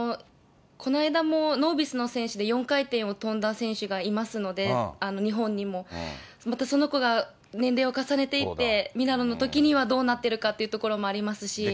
この間も、ノービスの選手で、４回転を跳んだ選手がいますので、日本にも。またその子が年齢を重ねていって、ミラノのときには、どうなっているかというところもありますし。